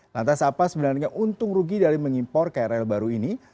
lantas apa sebenarnya untung rugi dari mengimpor krl baru ini